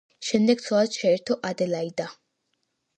შემდეგ ცოლად შეირთო ადელაიდა.